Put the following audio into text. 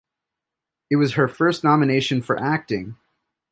It was her first nomination for acting.